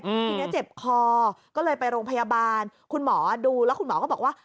ทีนี้เจ็บคอก็เลยไปโรงพยาบาลคุณหมอดูแล้วคุณหมอก็บอกว่า